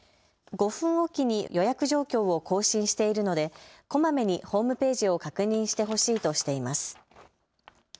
５分置きに予約状況を更新しているのでこまめにホームページを確認してほしいとしています。